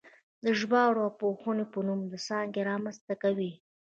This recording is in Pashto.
د ژبارواپوهنې په نوم یوه څانګه رامنځته کوي